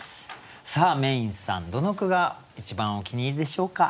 さあＭａｙ’ｎさんどの句が一番お気に入りでしょうか？